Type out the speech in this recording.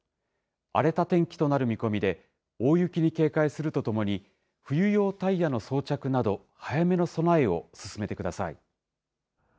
荒れた天気となる見込みで、大雪に警戒するとともに、冬用タイヤの装着など、早めの備えを進めてください。